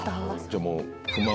じゃあもう。